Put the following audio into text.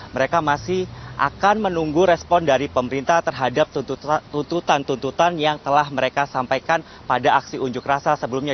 mereka masih akan menunggu respon dari pemerintah terhadap tuntutan tuntutan yang telah mereka sampaikan pada aksi unjuk rasa sebelumnya